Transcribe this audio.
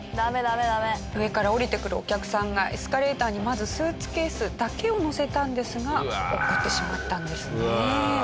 上から降りてくるお客さんがエスカレーターにまずスーツケースだけを載せたんですが落っこちてしまったんですね。